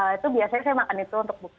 itu biasanya saya makan itu untuk buka